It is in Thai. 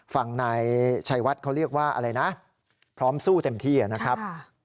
ฝั่งนายชัยวัดเขาเรียกว่าอะไรนะพร้อมสู้เต็มที่นะครับ